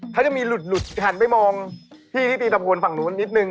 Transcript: เขาจะมีหลุดหันไปมองพี่ที่ตีตะพลฝั่งนู้นนิดนึง